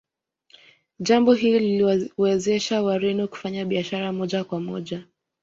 Jambo hilo liliwawezesha Wareno kufanya biashara moja kwa moja